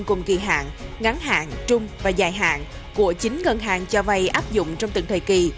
cùng kỳ hạn ngắn hạn trung và dài hạn của chính ngân hàng cho vay áp dụng trong từng thời kỳ